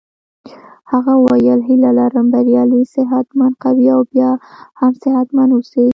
هغه وویل هیله لرم بریالی صحت مند قوي او بیا هم صحت مند اوسې.